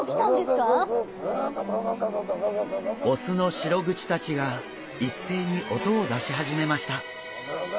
オスのシログチたちが一斉に音を出し始めました。